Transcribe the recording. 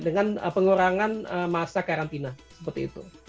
dengan pengurangan masa karantina seperti itu